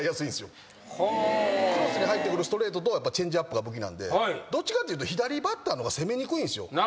クロスに入ってくるストレートとチェンジアップが武器なんでどっちかっていうと左バッターの方が攻めにくいんですよ。